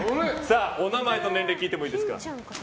お名前と年齢を聞いてもいいですか。